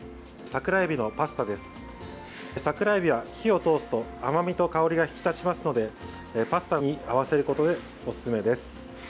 桜えびは火を通すと甘みと香りが引き立ちますのでパスタに合わせることでおすすめです。